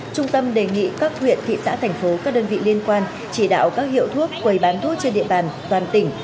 trung tâm đề nghị các huyện thị xã thành phố các đơn vị liên quan chỉ đạo các hiệu thuốc quầy bán thuốc trên địa bàn toàn tỉnh